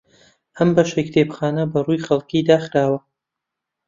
ئەم بەشەی کتێبخانە بەڕووی خەڵک داخراوە.